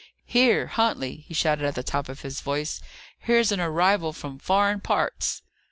Here, Huntley," he shouted at the top of his voice, "here's an arrival from foreign parts!"